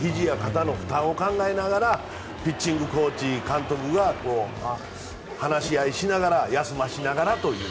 ひじや肩の負担を考えながらピッチングコーチ、監督が話し合いしながら休ませながらという。